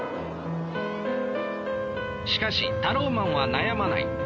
しかしタローマンは悩まない。